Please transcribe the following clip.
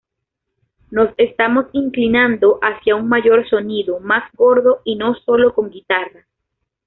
Nos estamos inclinando hacia un mayor sonido, más gordo, y no sólo con guitarras.